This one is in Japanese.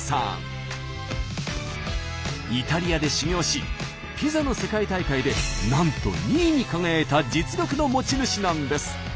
イタリアで修業しピザの世界大会でなんと２位に輝いた実力の持ち主なんです。